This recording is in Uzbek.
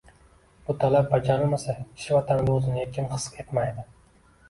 Bu talab bajarilmasa, kishi vatanida o‘zini erkin his etmaydi